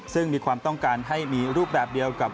ซึ่งมีความต้องการให้มีรูปแบบเดียวกับ